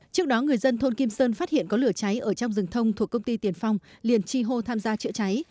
trước đó người dân thôn kim sơn phát hiện có lửa cháy ở trong rừng thông thuộc công ty tiền phong liền chi hô tham gia chữa cháy